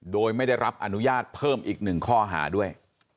โดยไม่ได้รับอนุญาตเพิ่มอีก๑ข้อหาด้วย